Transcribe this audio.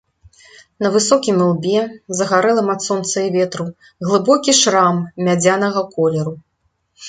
На высокім ілбе, загарэлым ад сонца і ветру, глыбокі шрам мядзянага колеру.